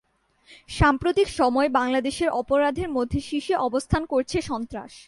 সাম্প্রতিক সময়ে বাংলাদেশের অপরাধের মধ্যে শীর্ষে অবস্থান করছে সন্ত্রাস।